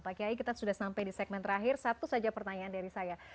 pak kiai kita sudah sampai di segmen terakhir satu saja pertanyaan dari saya